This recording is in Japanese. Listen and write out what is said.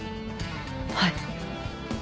はい。